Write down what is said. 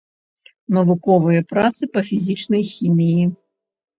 Навуковыя працы па фізічнай хіміі.